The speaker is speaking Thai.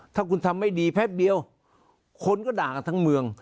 ถ้าคุณทำไม่ดีแพบเดียวคนก็ด่ากันทั้งเมือง